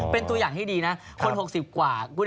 เป็นตัวอย่างที่ดีนะคน๖๐กว่า